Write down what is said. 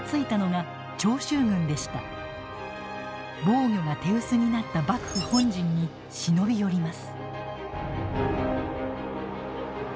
防御が手薄になった幕府本陣に忍び寄ります。